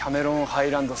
ハイランド